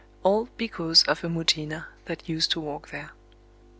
All because of a Mujina that used to walk there.